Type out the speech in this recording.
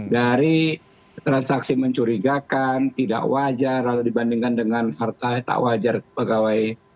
dari transaksi mencurigakan tidak wajar atau dibandingkan dengan harta tak wajar pegawai